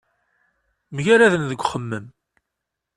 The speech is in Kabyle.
Mgaraden deg uxemmem.